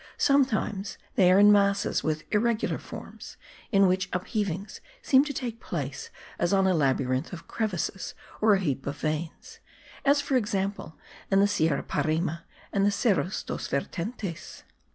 Sometimes they are in masses with irregular forms, in which upheavings seem to have taken place as on a labyrinth of crevices or a heap of veins, as for example in the Sierra Parime and the Serra dos Vertentes.